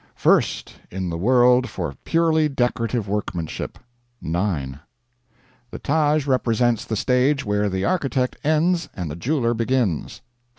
First in the world for purely decorative workmanship 9. The Taj represents the stage where the architect ends and the jeweler begins 5.